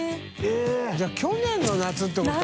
犬磴去年の夏ってこと？